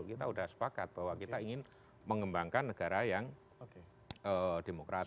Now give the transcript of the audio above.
kita sudah sepakat bahwa kita ingin mengembangkan negara yang demokratis